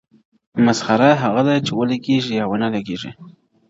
o مسخره هغه ده، چي ولگېږي، يا و نه لگېږي!